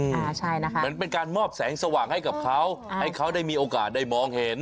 มันเป็นการมอบแสงสว่างให้กับเขาให้เขาได้มีโอกาสได้มองเห็น